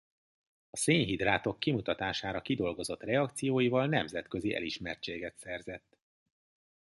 A szénhidrátok kimutatására kidolgozott reakcióival nemzetközi elismertséget szerzett.